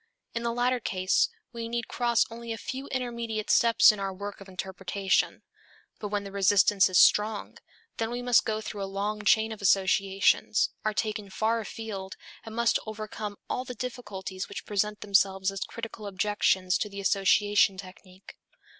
In the latter case we need cross only a few intermediate steps in our work of interpretation. But when the resistance is strong, then we must go through a long chain of associations, are taken far afield and must overcome all the difficulties which present themselves as critical objections to the association technique.